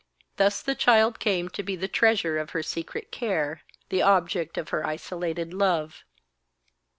Thus the child came to be the treasure of her secret care, the object of her isolated love.